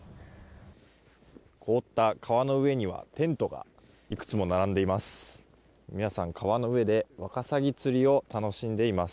凍った川の上にはテントがいくつも並んでいます。